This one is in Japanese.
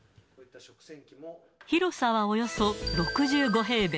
広さはおよそ６５平米。